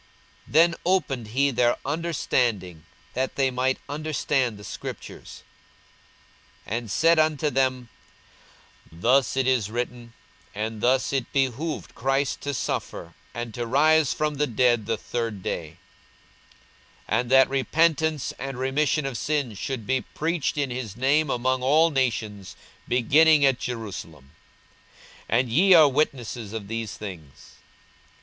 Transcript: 42:024:045 Then opened he their understanding, that they might understand the scriptures, 42:024:046 And said unto them, Thus it is written, and thus it behoved Christ to suffer, and to rise from the dead the third day: 42:024:047 And that repentance and remission of sins should be preached in his name among all nations, beginning at Jerusalem. 42:024:048 And ye are witnesses of these things.